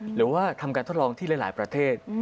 หรือว่าทำการทดลองที่หลายประเทศ